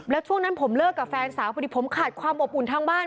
แล้วช่วงนั้นผมเลิกกับแฟนสาวพอดีผมขาดความอบอุ่นทางบ้าน